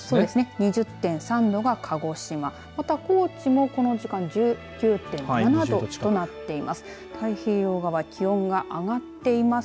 ２０．３度が鹿児島また高知もこの時間１９．７度となっています。